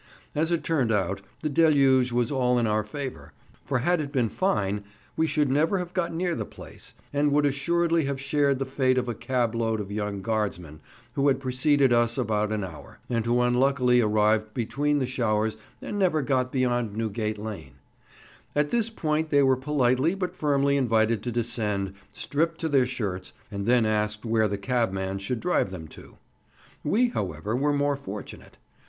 As it turned out, the deluge was all in our favour, for had it been fine we should never have got near the place, and would assuredly have shared the fate of a cab load of young Guardsmen who had preceded us about an hour, and who unluckily arrived between the showers and never got beyond Newgate Lane; at this point they were politely but firmly invited to descend, stripped to their shirts, and then asked where the cabman should drive them to. We, however, were more fortunate.